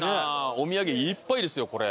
お土産いっぱいですよこれ。